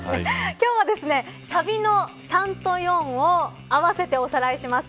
今日はサビの♯３と♯４を合わせて、おさらいします。